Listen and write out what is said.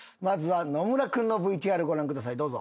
まずは野村君のＶＴＲご覧ください。